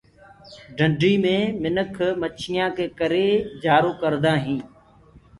ڍنڊي مي منک مڇيآنٚ ڪي ڪرآ ڪوجآ ڪردآ هينٚ۔